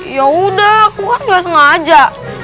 yaudah aku kan gak sengaja